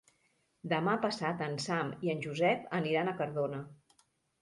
Demà passat en Sam i en Josep aniran a Cardona.